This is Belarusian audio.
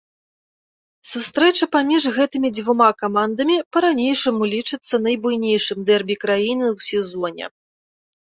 Сустрэча паміж гэтымі дзвюма камандамі па-ранейшаму лічыцца найбуйнейшым дэрбі краіны ў сезоне.